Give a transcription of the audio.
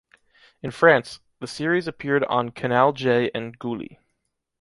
In France, the series appeared on Canal J and Gulli.